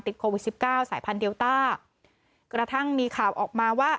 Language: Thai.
ติดโควิด๑๙สายพันเดียวต้ากระทั่งมีข่าวออกมาว่า